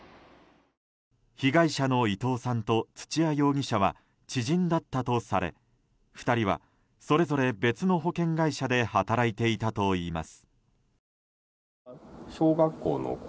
被害者の伊藤さんと土屋容疑者は知人だったとされ２人は、それぞれ別の保険会社で働いていたといいます。